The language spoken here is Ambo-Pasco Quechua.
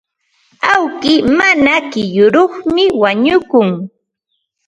Awki mana kiruyuqmi wañukun.